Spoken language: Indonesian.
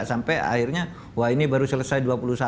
sampai akhirnya wah ini baru selesai dua puluh satu